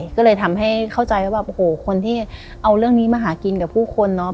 ก็เลยทำให้เข้าใจว่าแบบโอ้โหคนที่เอาเรื่องนี้มาหากินกับผู้คนเนาะ